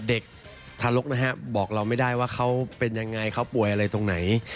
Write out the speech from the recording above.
เด็กทารกนะฮะบอกเราไม่ได้ว่าเขาเป็นยังไงเขาป่วยอะไรตรงไหน